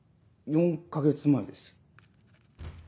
４か月前です。